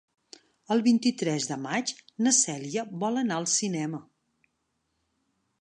El vint-i-tres de maig na Cèlia vol anar al cinema.